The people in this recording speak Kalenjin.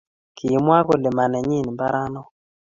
kimwaa kolee manenyii mbaree noo